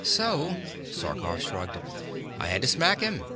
So," Sarkoff shrugged, "I had to smack him.